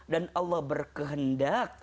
dan allah berkehendak